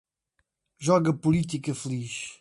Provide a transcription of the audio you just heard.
Jogue a política feliz